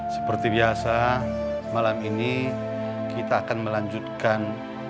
seperti biasa malam ini kita akan melanjutkan